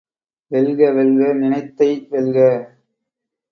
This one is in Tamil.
வெல்க வெல்க நினைத்தை வெல்க!